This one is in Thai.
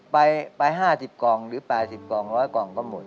ไป๕๐กล่องหรือ๘๐กล่อง๑๐๐กล่องก็หมด